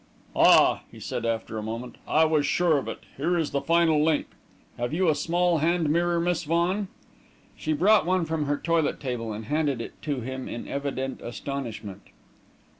"Ah!" he said, after a moment. "I was sure of it. Here is the final link. Have you a small hand mirror, Miss Vaughan?" She brought one from her toilet table and handed it to him in evident astonishment.